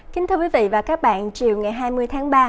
kính thưa quý vị và các bạn chiều ngày hai mươi tháng ba